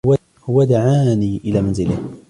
هو دعاني إلى منزله.